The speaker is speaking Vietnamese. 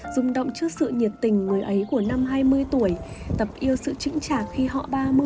rung động trước sự nhiệt tình người ấy của năm hai mươi tuổi tập yêu sự trĩnh trạng khi họ ba mươi